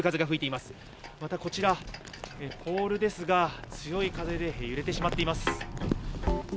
また、こちらポールですが強い風で揺れてしまっています。